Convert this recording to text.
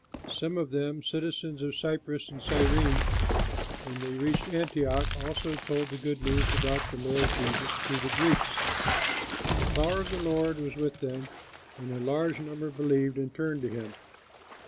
Some of them, citizens of Cyprus and Cyrene, when they reached Antioch also told the good news about the Lord Jesus to the Greeks. The power of the Lord was with them, and a large number believed and turned to him.